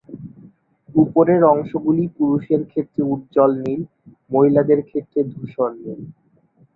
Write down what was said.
উপরের অংশগুলি পুরুষের ক্ষেত্রে উজ্জ্বল নীল, মহিলাদের ক্ষেত্রে ধূসর-নীল।